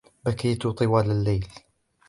بكيتُ طوال الليل.